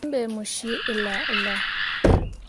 Mo zuu yim be mo cii ella ella.